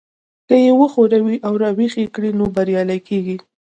که يې وښوروئ او را ويښ يې کړئ نو بريالي کېږئ.